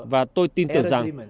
và tôi tin tưởng rằng